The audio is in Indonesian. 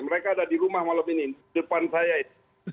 mereka ada di rumah malam ini depan saya ini